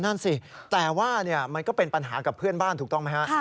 นั่นสิแต่ว่ามันก็เป็นปัญหากับเพื่อนบ้านถูกต้องไหมฮะ